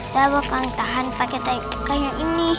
bella bakalan tahan pakai taiga kaya ini